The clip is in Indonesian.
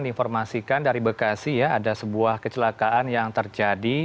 informasikan dari bekasi ya ada sebuah kecelakaan yang terjadi